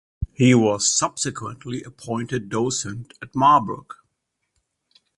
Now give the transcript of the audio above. He was subsequently appointed Docent at Marburg.